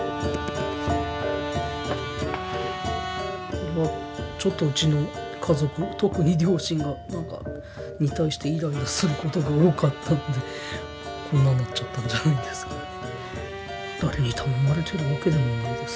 これはちょっとうちの家族特に両親に対してイライラすることが多かったのでこんななっちゃったんじゃないですかね。